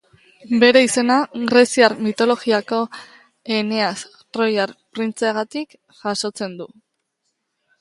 Bere izena greziar mitologiako Eneas troiar printzeagatik jasotzen du.